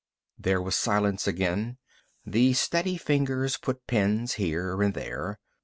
There was silence again. The steady fingers put pins here and there.